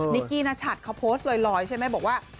กี้นัชัดเขาโพสต์ลอยใช่ไหมบอกว่า